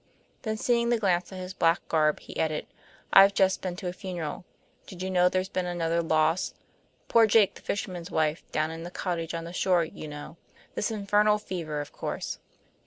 Then, seeing the glance at his black garb, he added: "I've just been to a funeral. Did you know there's been another loss? Poor Jake the fisherman's wife, down in the cottage on the shore, you know. This infernal fever, of course."